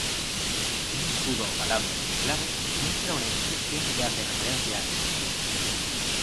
Un escudo ovalado en su clave muestra una inscripción que hace referencia al mismo.